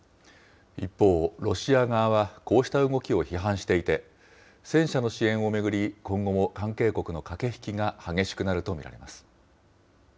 一方、ロシア側はこうした動きを批判していて、戦車の支援を巡り、今後も関係国の駆け引きが激しくなると見られます。